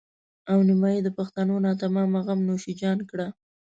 او نيمایي د پښتنو ناتمامه غم نوش جان کړه.